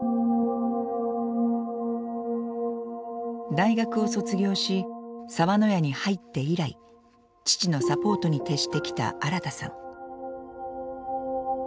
大学を卒業し澤の屋に入って以来父のサポートに徹してきた新さん。